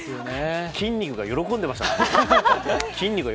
筋肉が喜んでましたもん。